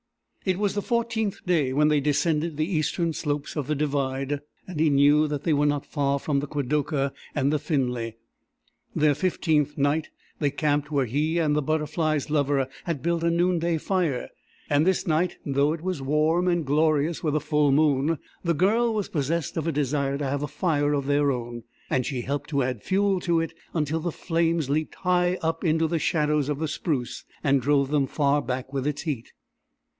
It was the fourteenth day when they descended the eastern slopes of the Divide, and he knew that they were not far from the Kwadocha and the Finley. Their fifteenth night they camped where he and the Butterfly's lover had built a noonday fire; and this night, though it was warm and glorious with a full moon, the Girl was possessed of a desire to have a fire of their own, and she helped to add fuel to it until the flames leaped high up into the shadows of the spruce, and drove them far back with its heat.